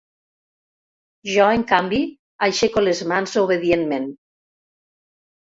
Jo, en canvi, aixeco les mans obedientment.